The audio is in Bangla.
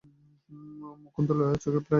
মুকুন্দলাল চোখ চেয়ে তাকিয়েই জিভ কেটে চুপ করেন।